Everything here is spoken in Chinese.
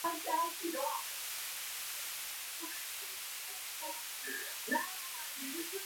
塔德吕兰让。